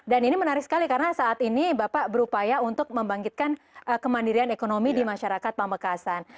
dan ini menarik sekali karena saat ini bapak berupaya untuk membangkitkan kemandirian ekonomi di masyarakat pamekasan